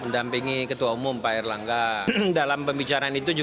di jawa barat